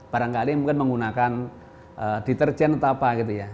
barangkali mungkin menggunakan deterjen atau apa gitu ya